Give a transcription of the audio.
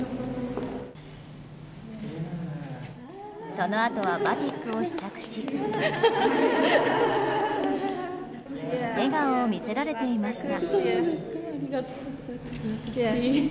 そのあとはバティックを試着し笑顔を見せられていました。